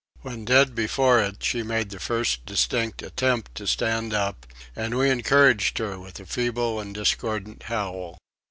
When dead before it she made the first distinct attempt to stand up, and we encouraged her with a feeble and discordant howl.